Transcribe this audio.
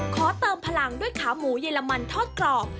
ขอเติมพลังด้วยขาหมูเยอรมันทอดกรอบ